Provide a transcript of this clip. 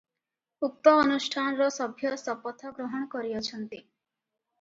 ଉକ୍ତ ଅନୁଷ୍ଠାନର ସଭ୍ୟ ଶପଥ ଗ୍ରହଣ କରିଅଛନ୍ତି ।